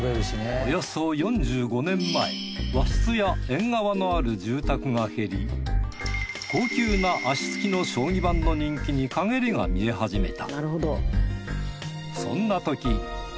およそ４５年前和室や縁側のある住宅が減り高級な脚付きの将棋盤の人気に陰りが見え始めた。